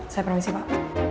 saya permisi pak